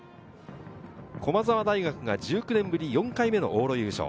駒澤大学が１９年ぶり４回目の往路優勝。